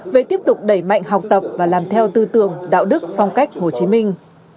về tiếp tục đẩy mạnh học tập và làm theo tư tưởng đạo đức phong cách hồ chí minh